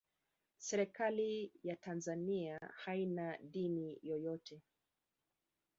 serikali ya tanzania haina dini yoyote